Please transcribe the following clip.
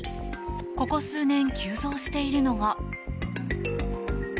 ここ数年、急増しているのが。